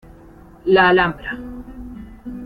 La Alhambra.